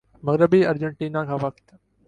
مغربی ارجنٹینا کا وقت